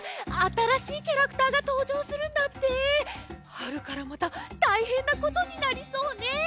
はるからまたたいへんなことになりそうねえ。